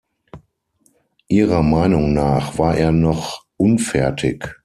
Ihrer Meinung nach war er noch unfertig.